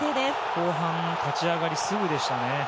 後半立ち上がりすぐでしたね。